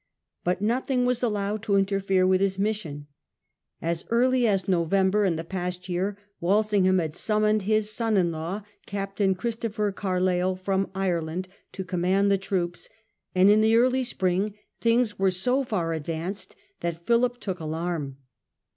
But nothing was aUowed to interfere with his missioa As early as November in the past year Walsingham had summoned his son in law. Captain Christopher Carleill, from Ireland to command the troops, and in the early spring things were so far advanced that Philip took alarm.